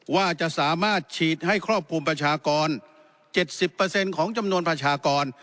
ว่าจะสามารถฉีดให้ครอบคลุมประชากรเจ็ดสิบเปอร์เซ็นต์ของจำนวนประชากร